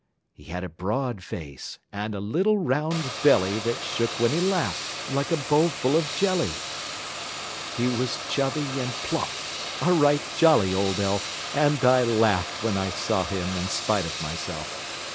He had a broad face, and a little round belly That shook when he laughed, like a bowl full of jelly. He was chubby and plump a right jolly old elf; And I laughed when I saw him in spite of myself.